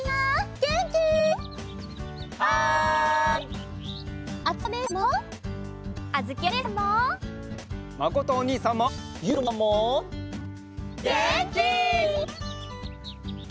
げんき！